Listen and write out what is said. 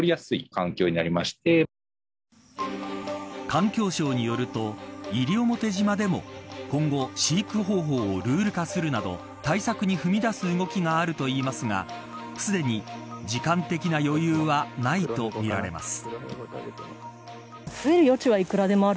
環境省によると西表島でも今後飼育方法をルール化するなど対策に踏みだす動きがあるといいますがすでに時間的な余裕はないとみられます。